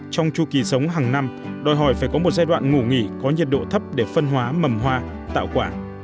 trong chu kỳ sống hàng năm đòi hỏi phải có một giai đoạn ngủ nghỉ có nhiệt độ thấp để phân hóa mầm hoa tạo quả